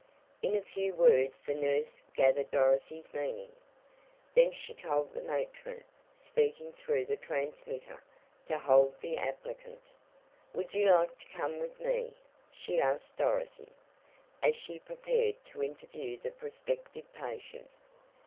In a few words the nurse gathered Dorothy's meaning. Then she told the matron, speaking through the transmitter, to hold the applicant. "Would you like to come with me?" she asked Dorothy, as she prepared to interview the prospective patient.